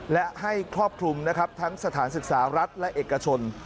และให้ครอบคลุมนะครับทั้งสถานศึกษารัฐและเอกชน